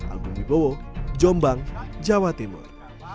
agung wibowo jombang jawa timur